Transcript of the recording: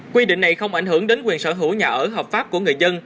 quy định này không ảnh hưởng đến quyền sở hữu nhà ở hợp pháp của người dân